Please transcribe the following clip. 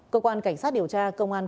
cơ quan cảnh sát điều tra công an